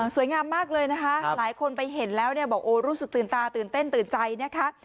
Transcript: สวยงามมากเลยนะคะหลายคนไปเห็นแล้วเนี่ยบอกโอ้รู้สึกตื่นตาตื่นเต้นตื่นใจนะคะ